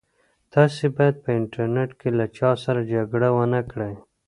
تاسي باید په انټرنيټ کې له چا سره جګړه ونه کړئ.